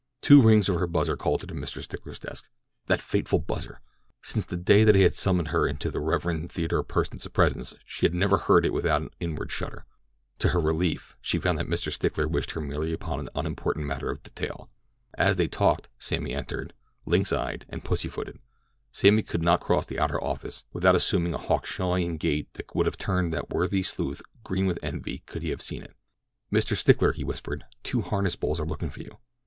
Two rings of her buzzer called her to Mr. Stickler's desk. That fateful buzzer! Since the day that it had summoned her into the Rev. Theodore Pursen's presence she had never heard it without an inward shudder. To her relief she found that Mr. Stickler wished her merely upon an unimportant matter of detail. As he talked, Sammy entered, lynx eyed and pussy footed—Sammy could not cross the outer office, even to the water cooler, without assuming a Hawkshawian gait that would have turned that worthy sleuth green with envy could he have seen it. "Mr. Stickler!" he whispered, "two harness bulls are looking for you."